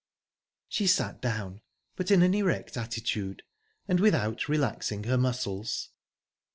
She sat down, but in an erect attitude and without relaxing her muscles.